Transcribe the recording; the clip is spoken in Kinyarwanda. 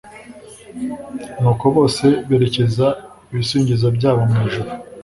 nuko bose berekeza ibisingizo byabo mu ijuru